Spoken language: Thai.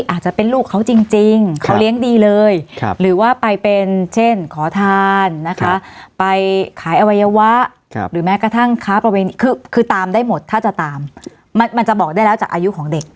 อาจจะเป็นลูกเขาจริงเขาเลี้ยงดีเลยหรือว่าไปเป็นเช่นขอทานนะคะไปขายอวัยวะหรือแม้กระทั่งค้าประเวณีคือตามได้หมดถ้าจะตามมันจะบอกได้แล้วจากอายุของเด็ก